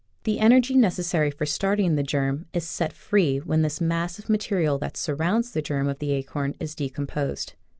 The energy necessary for starting the germ is set free when this mass of material that surrounds the germ of the acorn is decomposed.